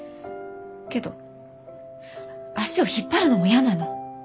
けど足を引っ張るのも嫌なの。